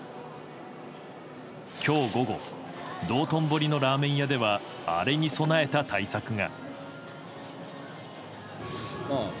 今日午後道頓堀のラーメン屋ではアレに備えた対策が。